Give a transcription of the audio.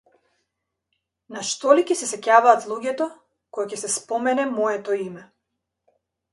На што ли ќе се сеќаваат луѓето, кога ќе се спомене моето име?